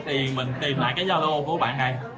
thì mình tìm lại cái gia lô của bạn này